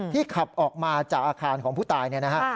ที่ขับออกมาจากอาคารของผู้ตาย